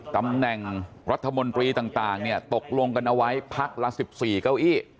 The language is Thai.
ตำแหน่งรัฐมนตรีต่างเนี่ยตกลงกันเอาไว้พักละ๑๔เก้าอี้